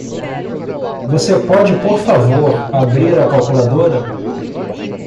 Você pode por favor abrir a calculadora?